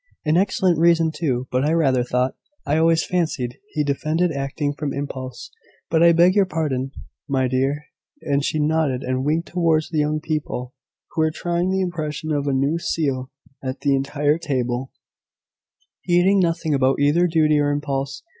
"An excellent reason too: but I rather thought I always fancied he defended acting from impulse. But I beg your pardon, my dear:" and she nodded and winked towards the young people, who were trying the impression of a new seal at the centre table, heeding nothing about either duty or impulse.